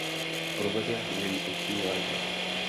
Provede jej oční lékař.